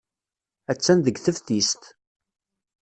Attan deg teftist.